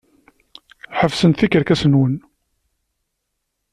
Ḥebset tikerkas-nwen!